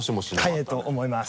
速いと思います。